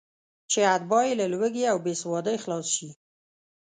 چې اتباع یې له لوږې او بېسوادۍ خلاص شي.